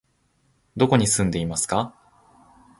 どこに住んでいますか？